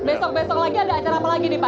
besok besok lagi ada acara apa lagi nih pak